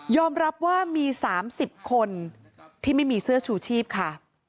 รับว่ามี๓๐คนที่ไม่มีเสื้อชูชีพค่ะ